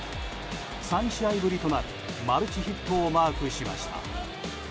３試合ぶりとなるマルチヒットをマークしました。